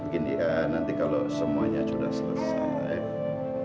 gini ya nanti kalau semuanya sudah selesai